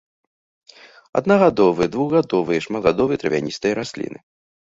Аднагадовыя, двухгадовыя і шматгадовыя травяністыя расліны.